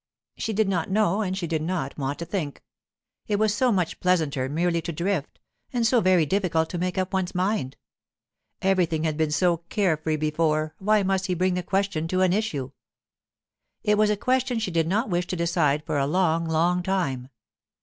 She did not know and she did not want to think. It was so much pleasanter merely to drift, and so very difficult to make up one's mind. Everything had been so care free before, why must he bring the question to an issue? It was a question she did not wish to decide for a long, long time.